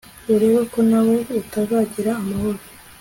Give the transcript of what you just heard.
urebe ko nawe utazagira amahoro